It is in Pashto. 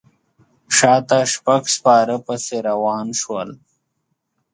شاته شپږ سپاره پسې روان شول.